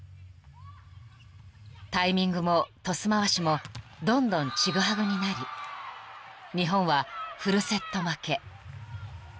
［タイミングもトス回しもどんどんちぐはぐになり日本はフルセット負け］